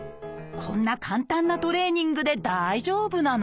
こんな簡単なトレーニングで大丈夫なの？